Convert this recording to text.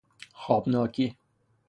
خوابناکی